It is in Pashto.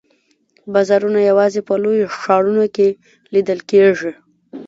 بازارونه یوازي په لویو ښارونو کې لیده کیږي.